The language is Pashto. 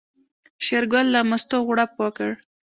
شېرګل له مستو غوړپ وکړ.